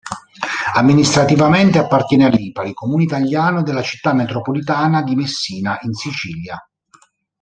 Amministrativamente appartiene a Lipari, comune italiano della città metropolitana di Messina, in Sicilia.